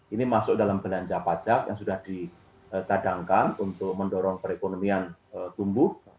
ini masuk dalam belanja pajak yang sudah dicadangkan untuk mendorong perekonomian tumbuh